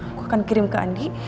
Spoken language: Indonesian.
aku akan kirim ke andi